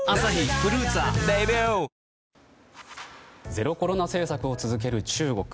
ゼロコロナ政策を続ける中国。